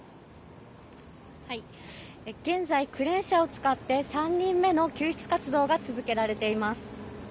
現在、クレーン車を使って３人目の救出活動が続けられています。